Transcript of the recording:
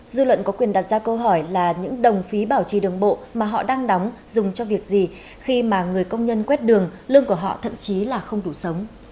dư luận có quyền đặt ra câu hỏi là những đồng phí bảo trì đường bộ mà họ đang đóng dùng cho việc gì khi mà người công nhân quét đường lương của họ thậm chí là không đủ sống